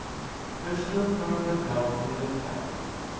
There is no further doubting the fact.